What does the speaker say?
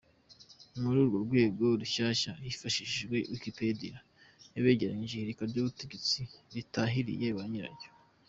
Ni muri urwo rwego Rushyashya yifashishije Wikipedia yabegeranyirije ihirika ry’ubutegetsi ritahiriye ba nyiraryo.